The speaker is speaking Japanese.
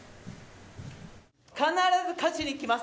必ず勝ちに行きます。